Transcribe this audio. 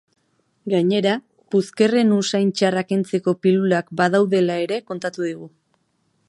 Gainera, puzkerren usain txarra kentzeko pilulak badaudela ere kontatu digu.